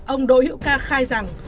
ông đỗ hiệu ca khai rằng